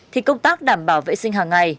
thì công tác đảm bảo vệ sinh hàng ngày